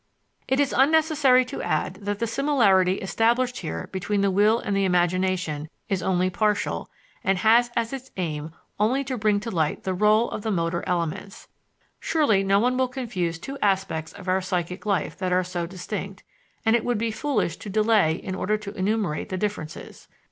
It is unnecessary to add that the similarity established here between the will and the imagination is only partial and has as its aim only to bring to light the rôle of the motor elements. Surely no one will confuse two aspects of our psychic life that are so distinct, and it would be foolish to delay in order to enumerate the differences.